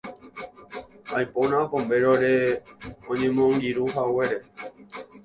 Aipóna Pombérore oñemoangirũhaguére.